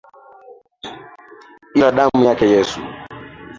Ila damu yake Yesu